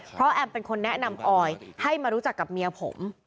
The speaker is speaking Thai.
เพราะแอมเป็นคนแนะนำออยให้มารู้จักกับเมียผม